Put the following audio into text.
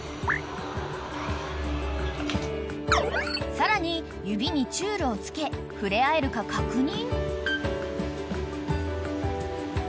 ［さらに指にちゅるを付け触れ合えるか確認］